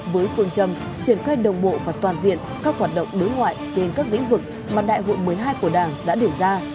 với phương châm triển khai đồng bộ và toàn diện các hoạt động đối ngoại trên các lĩnh vực mà đại hội một mươi hai của đảng đã đề ra